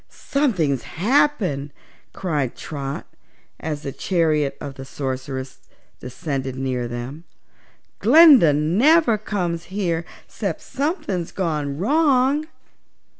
"Something's happened!" cried Trot, as the chariot of the Sorceress descended near them. "Glinda never comes here 'cept something's gone wrong."